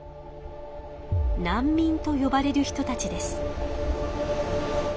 難民とよばれる人たちです。